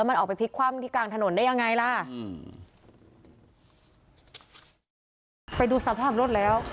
มันออกไปพลิกคว่ำที่กลางถนนได้ยังไงล่ะ